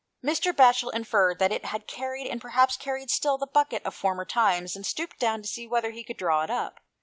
Mr. Batchel inferred that it had carried, and perhaps carried still, the bucket of former times, and stooped down to see whether he could draw it up.